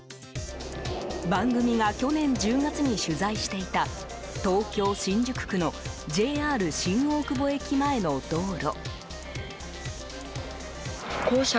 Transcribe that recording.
番組が去年１０月に取材していた東京・新宿区のＪＲ新大久保駅前の道路。